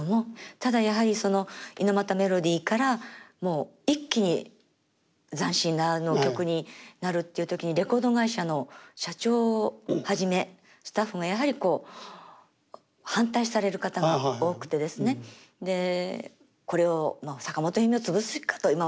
ただやはり猪俣メロディーからもう一気に斬新なあの曲になるっていう時にレコード会社の社長をはじめスタッフがやはりこう反対される方が多くてですねでこれを「坂本冬美を潰す気か」と。